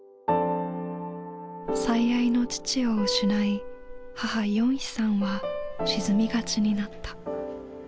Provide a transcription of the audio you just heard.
最愛の父を失い母ヨンヒさんは沈みがちになった。